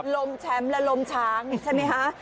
ลมแชมป์และลมช้างใช่ไหมคะ